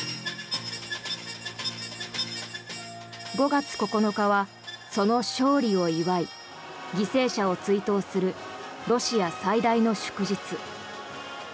５月９日はその勝利を祝い犠牲者を追悼するロシア最大の祝日。